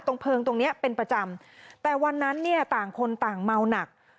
เพลิงตรงเนี้ยเป็นประจำแต่วันนั้นเนี่ยต่างคนต่างเมาหนัก